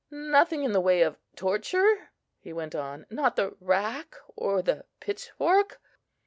"Nothing in the way of torture?" he went on; "not the rack, or the pitchfork?"